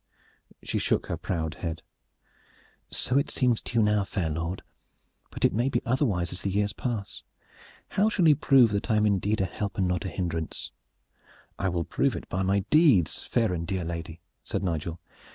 She shook her proud head. "So it seems to you now, fair lord, but it may be otherwise as the years pass. How shall you prove that I am indeed a help and not a hindrance?" "I will prove it by my deeds, fair and dear lady," said Nigel.